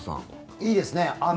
いいですね。